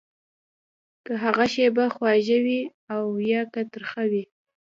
که هغه شېبه خوږه وي او يا که ترخه وي.